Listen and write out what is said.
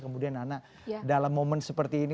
kemudian nana dalam momen seperti ini